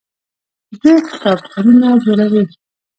دوی کتابتونونه جوړوي.